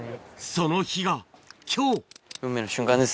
その日が今日！